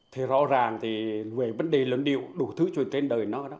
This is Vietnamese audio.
thì rõ ràng thì về vấn đề luận điệu đủ thứ trên đời nó đó